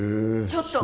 ちょっと！